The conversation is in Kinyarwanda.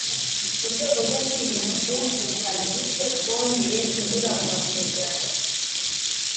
mu rwego rwo kwirinda ubwumvikane buke, bongeye kunyura mu masezerano